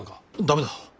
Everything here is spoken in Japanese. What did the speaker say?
ダメだ。